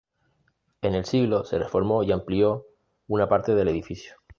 En el siglo se reformó y amplió una parte del edificio.